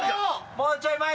もうちょい！